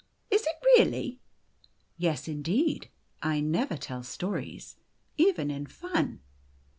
" Is it, really ?" "Yes, indeed. I never tell stories, even in fun."